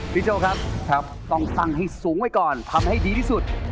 พี่โจ้ครับต้องคลังสูงไว้ก่อนทำให้ดีที่สุด